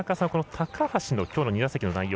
高橋のきょうの２打席の内容